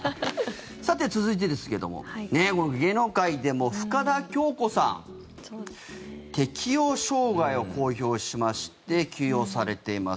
さて、続いてですけども芸能界でも深田恭子さん適応障害を公表しまして休養されています。